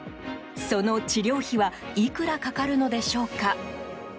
その治療費はいくらかかるのでしょうか。